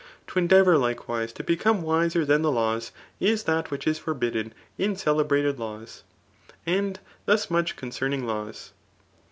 To endeavour likewise to become wiser; dian the laws, is that which is forbidden in celebrated laws. And thus much concerning laws.